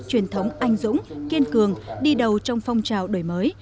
truyền thống anh dũng kiên cường đi đầu trong phong trào đổi mới